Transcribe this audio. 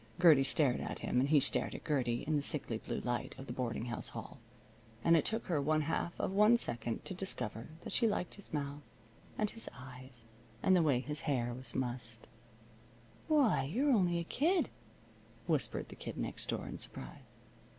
Gertie stared at him, and he stared at Gertie in the sickly blue light of the boarding house hall, and it took her one half of one second to discover that she liked his mouth, and his eyes, and the way his hair was mussed. "Why, you're only a kid!" whispered the Kid Next Door, in surprise.